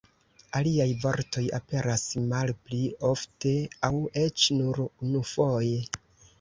Aliaj vortoj aperas malpli ofte, aŭ eĉ nur unufoje.